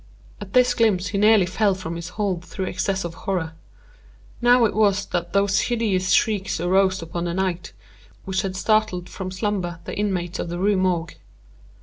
At this glimpse he nearly fell from his hold through excess of horror. Now it was that those hideous shrieks arose upon the night, which had startled from slumber the inmates of the Rue Morgue.